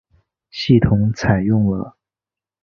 系统采用了。